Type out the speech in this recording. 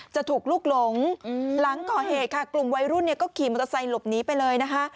จะถูกลุกหลงหลังก่อเหตุค่ะกลุ่มวัยรุ่นเนี่ยก็ขี่มอเตอร์ไซค์หลบหนีไปเลยนะคะ